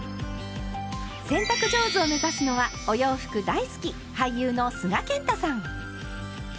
洗濯上手を目指すのはお洋服大好き俳優の須賀健太さん。